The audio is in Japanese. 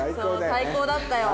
最高だったよ。